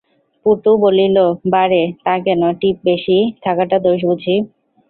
পটু বলিল, বা রে, তা কেন, টিপ বেশি থাকাটা দোষ বুঝি?